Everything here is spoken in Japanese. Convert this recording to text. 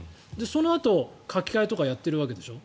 そのあと、書き換えとかやっているわけでしょ。